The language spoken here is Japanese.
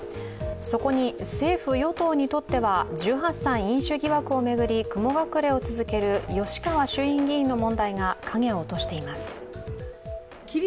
そこに政府・与党にとっては１８歳飲酒疑惑を巡り雲隠れを続ける吉川衆院議員の問題が影を落としています。